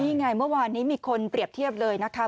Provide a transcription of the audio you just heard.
นี่ไงเมื่อวานนี้มีคนเปรียบเทียบเลยนะคะ